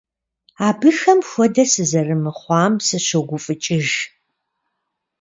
Абыхэм хуэдэ сызэрымыхъуам сыщогуфӀыкӀыж.